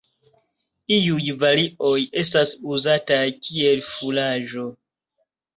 Iuj varioj estas uzataj kiel furaĝo.